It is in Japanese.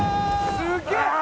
「すっげえ！」